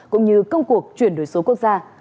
cũng như công cuộc chuyển đổi số quốc gia